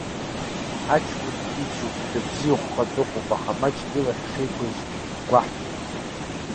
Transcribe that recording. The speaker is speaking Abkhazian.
Ҳаҷкәын ицуп, дыбзиахәха дыҟоуп, аха маҷк илахь шеиқәыз гәаҳҭеит.